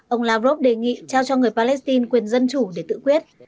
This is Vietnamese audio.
ông lavrov đề nghị trao cho người palestine quyền dân chủ để tự quyết